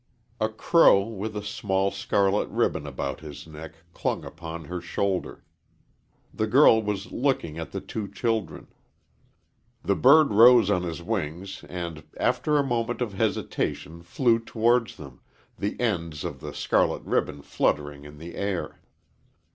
A crow with a small scarlet ribbon about his neck clung upon her shoulder. The girl was looking at the two children. The bird rose on his wings and, after a moment of hesitation, flew towards them, the ends of the scarlet ribbon fluttering in the air.